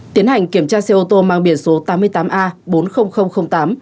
tiến hành kiểm tra xe ô tô mang biển số tám mươi tám a bốn mươi nghìn tám